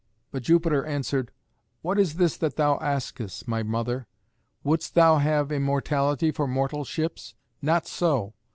But Jupiter answered, "What is this that thou askest, my mother? Wouldst thou have immortality for mortal ships? Not so.